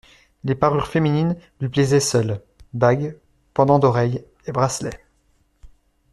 Les parures féminines lui plaisaient seules, bagues, pendants d'oreilles et bracelets.